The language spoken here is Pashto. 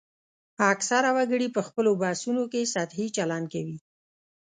اکثره وګړي په خپلو بحثونو کې سطحي چلند کوي